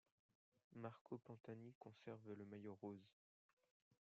Marco Pantani conserve le maillot rose.